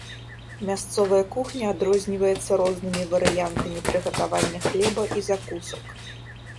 Мясцовая кухня адрозніваецца рознымі варыянтамі прыгатавання хлеба і закусак.